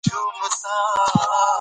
یو یو ګل یې له سترګو تېر کړ.